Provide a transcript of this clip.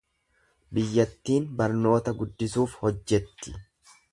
Biyyattiin barnoota guddisuuf hojjetti.